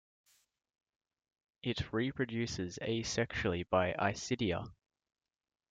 It reproduces asexually by isidia.